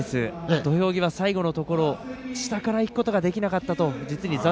土俵際最後のところ、下からいくことができなかった。